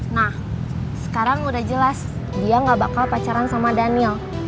nah sekarang udah jelas dia gak bakal pacaran sama daniel